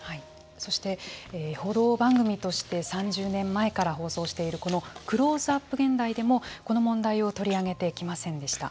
そして報道番組として３０年前から放送しているこの「クローズアップ現代」でもこの問題を取り上げてきませんでした。